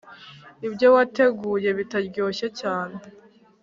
ibyo wateguye bitaryoshye cyane